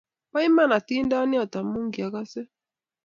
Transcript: bo iman atindiot amu kiaakasei